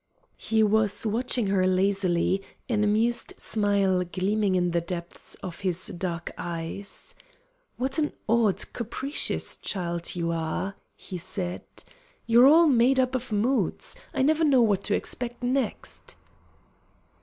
He was watching her lazily, an amused smile gleaming in the depths of his dark eyes. "What an odd, capricious child you are!" he said. "You're all made up of moods. I never know what to expect next."